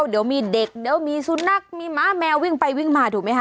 เดี๋ยวมีเด็กเดี๋ยวมีสุนัขมีหมาแมววิ่งไปวิ่งมาถูกไหมคะ